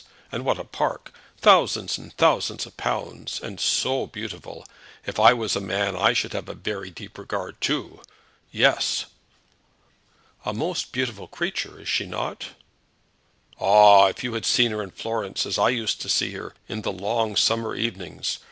and what a park! Thousands and thousands of pounds, and so beautiful! If I was a man I should have a very deep regard too. Yes." "A most beautiful creature; is she not?" "Ah; if you had seen her in Florence, as I used to see her, in the long summer evenings!